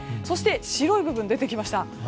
そして白い部分が出てきました。